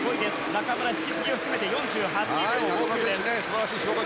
中村、引き継ぎを含めて４８秒。